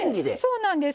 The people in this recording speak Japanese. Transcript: そうなんです。